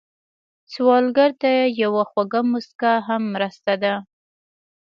سوالګر ته یوه خوږه مسکا هم مرسته ده